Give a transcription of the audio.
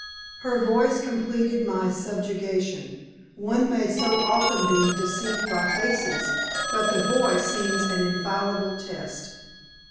Her voice completed my subjugation. One may so often be deceived by faces, but the voice seems an infallible test.